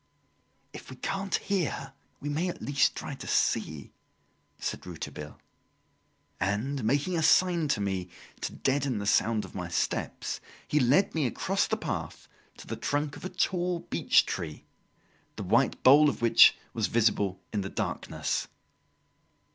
"If we can't hear we may at least try to see," said Rouletabille. And, making a sign to me to deaden the sound of my steps, he led me across the path to the trunk of a tall beech tree, the white bole of which was visible in the darkness.